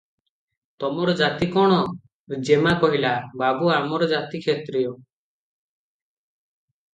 ତମର ଜାତି କଣ?" ଯେମା କହିଲା- "ବାବୁ! ଆମର ଜାତି କ୍ଷତ୍ରିୟ ।